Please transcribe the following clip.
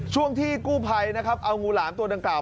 ช่วงที่กู้ภัยนะครับเอางูหลามตัวดังกล่า